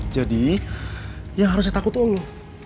jadi yang harus saya takut tuh lo